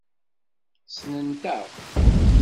Ssnent-aɣ.